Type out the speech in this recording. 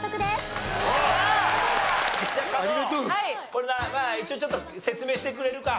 これ一応ちょっと説明してくれるか？